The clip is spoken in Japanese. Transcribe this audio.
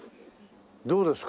どうですか？